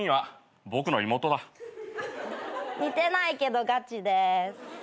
似てないけどガチでーす。